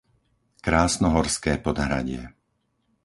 Krásnohorské Podhradie